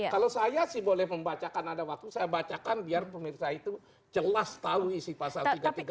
kalau saya sih boleh membacakan ada waktu saya bacakan biar pemirsa itu jelas tahu isi pasal tiga ratus tiga puluh